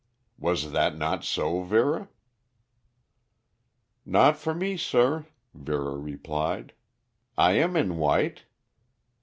"Was that not so, Vera?" "Not for me, sir," Vera replied. "I am in white."